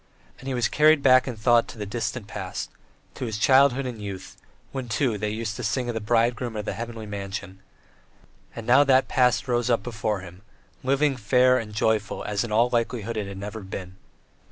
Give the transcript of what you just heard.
And he was carried back in thought to the distant past, to his childhood and youth, when, too, they used to sing of the Bridegroom and of the Heavenly Mansion; and now that past rose up before him living, fair, and joyful as in all likelihood it never had been.